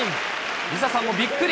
梨紗さんもびっくり。